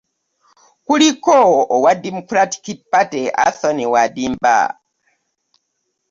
Kuliko owa Democratic Party, Anthony Wadimba.